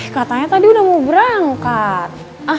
katanya tadi udah mau berangkat